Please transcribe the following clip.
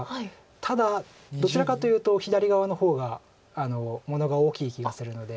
ただどちらかというと左側の方が物が大きい気がするので。